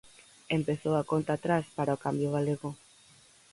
Empezou a conta atrás para o cambio galego.